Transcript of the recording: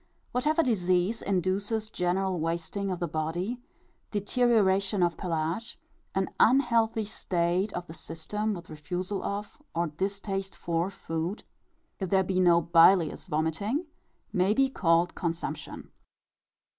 Whatever disease induces general wasting of the body, deterioration of pelage, an unhealthy state of the system, with refusal of, or distaste for, food if there be no bilious vomiting may be called consumption.